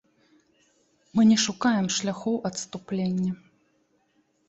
Мы не шукаем шляхоў адступлення.